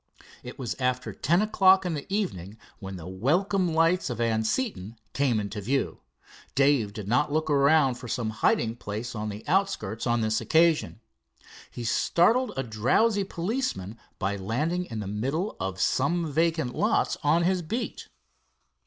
It was after ten o'clock in the evening when the welcome lights of Anseton came into view. Dave did not look around for some hiding place on the outskirts on this occasion. He startled a drowsy policeman by landing in the middle of some vacant lots on his beat.